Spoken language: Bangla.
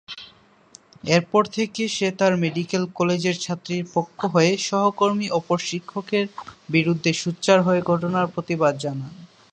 এরপর থেকে সে তার মেডিকেল কলেজের ছাত্রীর পক্ষ হয়ে সহকর্মী অপর শিক্ষকের বিরুদ্ধে সোচ্চার হয়ে ঘটনার প্রতিবাদ জানান।